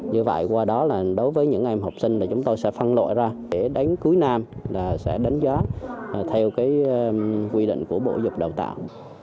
như vậy qua đó là đối với những em học sinh là chúng tôi sẽ phân loại ra để đánh cúi nam là sẽ đánh giá theo cái quy định của bộ dục đào tạo